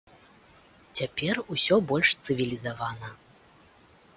Цяпер усё больш цывілізавана.